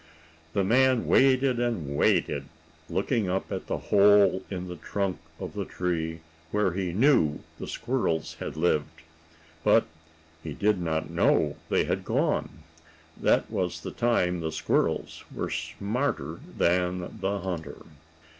The man waited and waited, looking up at the hole in the trunk of the tree, where he knew the squirrels had lived. But he did not know they had gone. That was the time the squirrels were smarter than the hunter.